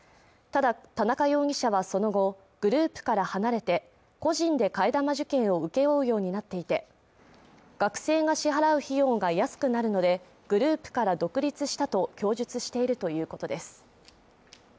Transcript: ただ田中容疑者はその後グループから離れて個人で替え玉受検を請け負うようになっていて学生が支払う費用が安くなるのでグループから独立したと供述しているということです